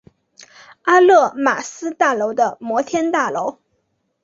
阿勒玛斯大楼的摩天大楼。